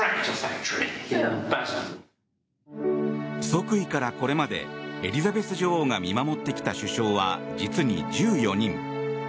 即位からこれまでエリザベス女王が見守ってきた首相は実に１４人。